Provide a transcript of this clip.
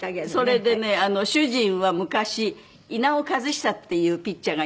それでね主人は昔稲尾和久っていうピッチャーがいましてね